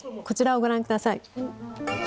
こちらをご覧ください。